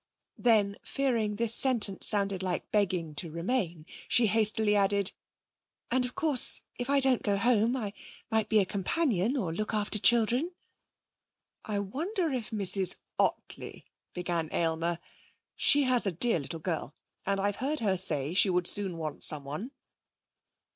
Then fearing this sentence sounded like begging to remain, she hastily added: 'And of course if I don't go home I might be a companion or look after children.' 'I wonder if Mrs Ottley ' began Aylmer. 'She has a dear little girl, and I've heard her say she would soon want someone.'